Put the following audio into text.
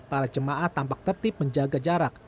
para jemaah tampak tertib menjaga jarak